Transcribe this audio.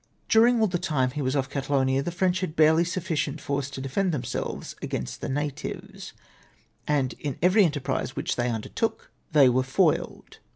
" During all the time he was off Catalonia, the French had barely sufficient force to defend tliemselves against the na tives, and in every enterprise which they undertook they FLOGGIXG IN THE ARMY AND NAVY 251 were foiled.